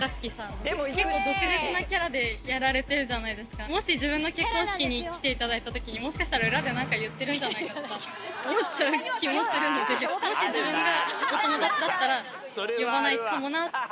でも結構毒舌なキャラで呼ばれてるじゃないですか、もし自分の結婚式に来ていただいたときに、もしかしたら裏でなんか言ってるんじゃないかって思っちゃう気もするんで、もし自分がお友達だったら、呼ばないかなって。